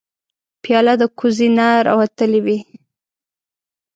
پیاله د کوزې نه راوتلې وي.